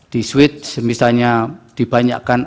di switch misalnya dibanyakkan